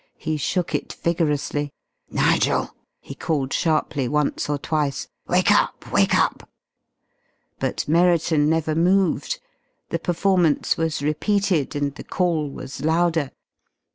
He shook it vigorously. "Nigel!" he called sharply once or twice. "Wake up! Wake up!" But Merriton never moved. The performance was repeated and the call was louder.